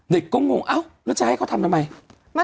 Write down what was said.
เด็กก็งงเอ้าแล้วจะให้เขาทำทำไม